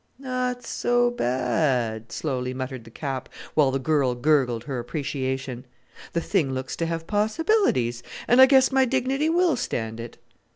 "Not so bad!" slowly muttered the Cap, while the girl gurgled her appreciation. "The thing looks to have possibilities, and I guess my dignity will stand it."